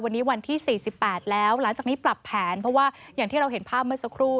วันนี้วันที่๔๘แล้วหลังจากนี้ปรับแผนเพราะว่าอย่างที่เราเห็นภาพเมื่อสักครู่